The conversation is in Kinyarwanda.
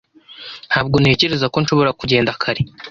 Ntabwo ntekereza ko nshobora kugenda kare